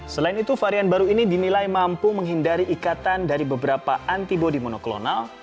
selain itu varian baru ini dinilai mampu menghindari ikatan dari beberapa antibody monoklonal